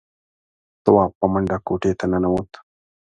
تواب په منډه کوټې ته ننوت.